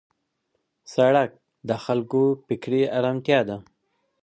سړک د خلکو فکري آرامتیا ده.